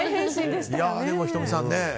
でも、仁美さんね。